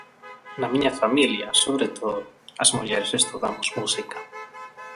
Na miña familia, sobre todo, as mulleres estudamos música.